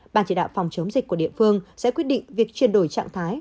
ban chỉ đạo phòng chống dịch của địa phương sẽ quyết định việc chuyển đổi trạng thái